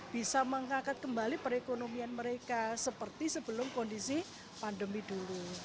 bisa mengangkat kembali perekonomian mereka seperti sebelum kondisi pandemi dulu